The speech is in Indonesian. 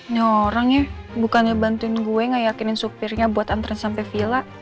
nyorang ya bukannya bantuin gue ngayakinin supirnya buat antren sampe villa